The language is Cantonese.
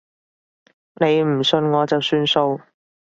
你唔信我就算數